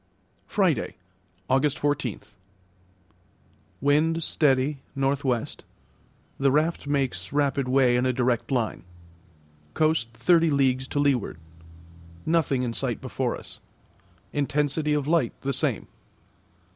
Friday, August 14. Wind steady, N.W. The raft makes rapid way in a direct line. Coast thirty leagues to leeward. Nothing in sight before us. Intensity of light the same.